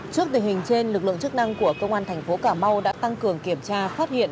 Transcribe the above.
trước tình hình trên lực lượng chức năng của công an thành phố cà mau đã tăng cường kiểm tra phát hiện